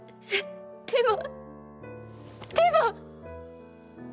でもでも！